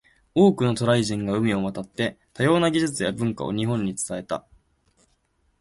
多くの渡来人が海を渡って、多様な技術や文化を日本に伝えた。